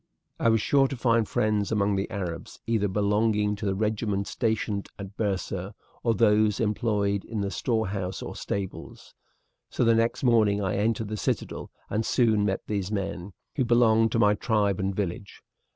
"I was sure to find friends among the Arabs either belonging to the regiment stationed in Byrsa or those employed in the storehouses or stables; so the next morning I entered the citadel and soon met these men, who belonged to my tribe and village.